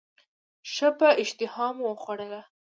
ښه په اشتهامو وخوړله.